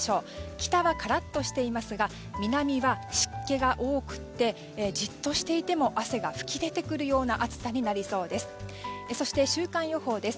北はカラッとしていますが南は湿気が多くてじっとしていても汗が噴き出てくるような暑さになりそうです。